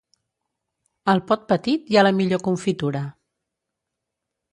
Al pot petit hi ha la millor confitura.